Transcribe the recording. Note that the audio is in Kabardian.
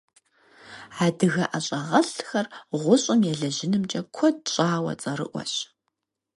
Адыгэ ӀэщӀагъэлӀхэр гъущӀым елэжьынымкӀэ куэд щӀауэ цӀэрыӀуэщ.